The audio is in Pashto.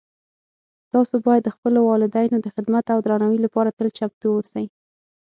تاسو باید د خپلو والدینو د خدمت او درناوۍ لپاره تل چمتو اوسئ